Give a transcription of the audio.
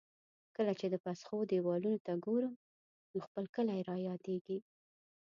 کله چې د پسخو دېوالونو ته ګورم، نو خپل کلی را یادېږي.